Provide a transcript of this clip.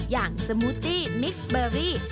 อย่างสมูตี้มิกซ์เบอรี่